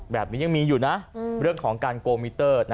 แบบนี้ยังมีอยู่นะเรื่องของการโกมิเตอร์